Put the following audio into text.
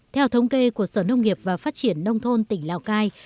theo thống kê của sở nông nghiệp và phát triển nông thôn tỉnh lào cai